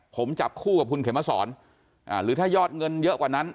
ผมจับคู่กับคุณเขมสอนหรือถ้ายอดเงินเยอะกว่านั้น